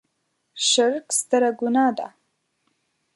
شرک ستره ګناه ده.